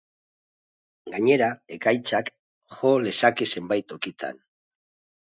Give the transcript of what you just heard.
Gainera, ekaitzak jo lezake zenbait tokitan.